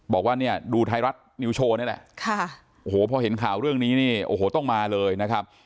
บอกว่าเนี่ยดูไทยรัฐนิวโชว์นี่แหละค่ะโอ้โหพอเห็นข่าวเรื่องนี้นี่โอ้โหต้องมาเลยนะครับ